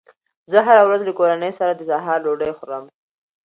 زه هره ورځ له کورنۍ سره د سهار ډوډۍ خورم